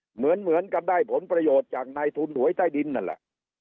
เหมือนกับได้ผลประโยชน์จากนายทุนหวยใต้ดินนั่นแหละ